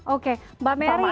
oke mbak merry